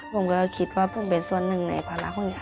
ผมก็คิดผมเป็นส่วนหนึ่งในความรักของยาย